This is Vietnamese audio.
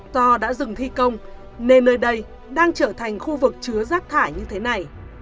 do đã dừng thi công nên nơi đây đang trở thành khu vực chứa rác thải như thế này